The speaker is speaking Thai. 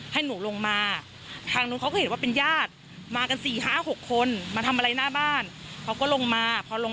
ให้หนูลงมาทางนู้นเขาก็เห็นว่าเป็นญาติมากันสี่ห้าหกคนมาทำอะไรหน้าบ้านเขาก็ลงมาพอลง